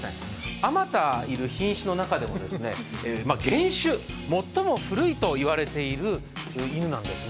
あまたいる品種の中でも原種、最も古いと言われている犬なんですね。